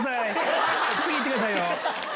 次行ってくださいよ。